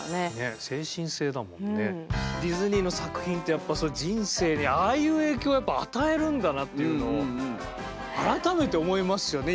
ディズニーの作品ってやっぱ人生にああいう影響をやっぱ与えるんだなっていうのを改めて思いますよね